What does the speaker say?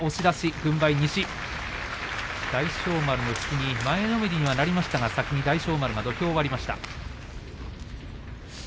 軍配、西大翔丸、錦木、前のめりにはなりましたが先に大翔丸が土俵を割りました。